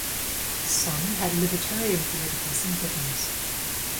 Some had libertarian political sympathies.